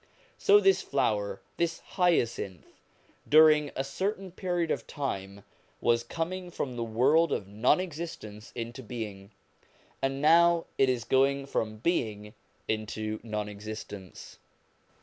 So this flower, this hyacinth, during a certain period of time was coming from the world of non existence into being, and now it is going from being into non existence.